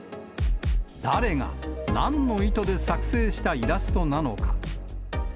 誰が、なんの意図で作成したイラストなのか。